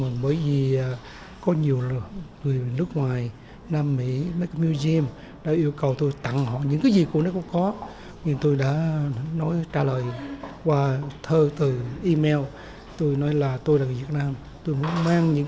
ông đã đi khắp các chiến trường ở việt nam lào và campuchia để tác nghiệp và đã trở thành phóng viên chiến trường giàu kinh nghiệm